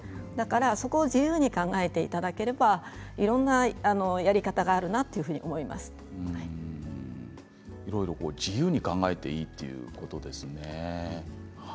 そこを自由に考えていただければいろんなやり方があるなといろいろ自由に考えていいということですね。